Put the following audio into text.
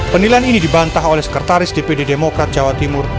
penilaian ini dibantah oleh sekretaris dpd demokrat jawa timur